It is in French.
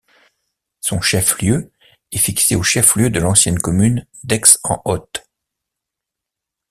Son chef-lieu est fixé au chef-lieu de l'ancienne commune d'Aix-en-Othe.